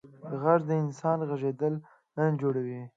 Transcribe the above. غږ د انسان غږېدل جوړوي.